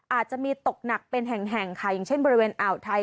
อาจจะมีตกหนักเป็นแห่งค่ะอย่างเช่นบริเวณอ่าวไทย